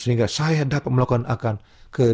sehingga saya dapat melakukan akan kehidupan saya yang lama